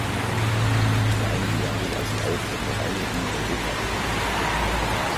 Für einige Jahre war sie auch für Vereine in Europa aktiv.